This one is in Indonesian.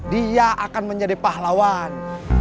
dia akan menjadi pahlawan